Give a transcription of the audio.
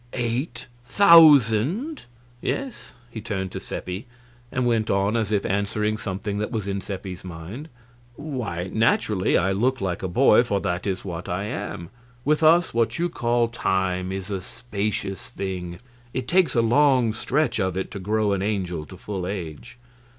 "Eight thousand!" "Yes." He turned to Seppi, and went on as if answering something that was in Seppi's mind: "Why, naturally I look like a boy, for that is what I am. With us what you call time is a spacious thing; it takes a long stretch of it to grow an angel to full age."